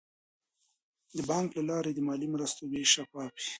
د بانک له لارې د مالي مرستو ویش شفاف وي.